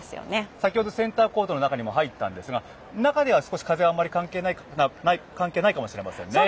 先ほどセンターコートの中にも入ったんですが、中には関係ないかもしれませんね。